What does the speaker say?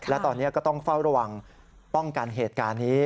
และตอนนี้ก็ต้องเฝ้าระวังป้องกันเหตุการณ์นี้